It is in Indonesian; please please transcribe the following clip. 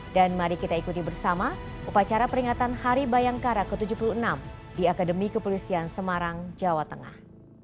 dan mari kita ikuti bersama upacara peringatan hari bayangkara ke tujuh puluh enam di akademi kepelusian semarang jawa tengah